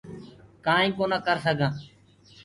ڪآئينٚ ڪونآ ڪرسگآنٚ